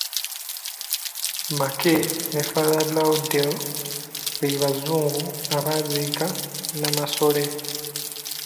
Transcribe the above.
Mackay ne Father Lourdel be Bazungu abaaziika Namasole.